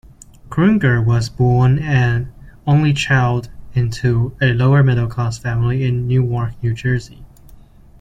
Kruger was born an only child into a lower-middle-class family in Newark, New Jersey.